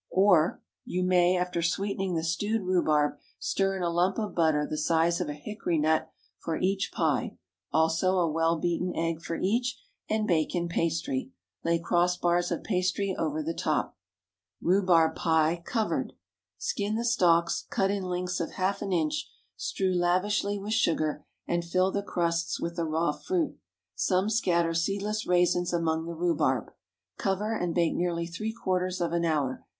Or— ✠ You may, after sweetening the stewed rhubarb, stir in a lump of butter the size of a hickory nut for each pie, also a well beaten egg for each, and bake in pastry. Lay cross bars of pastry over the top. RHUBARB PIE (Covered.) Skin the stalks, cut in lengths of half an inch; strew lavishly with sugar, and fill the crusts with the raw fruit. Some scatter seedless raisins among the rhubarb. Cover, and bake nearly three quarters of an hour.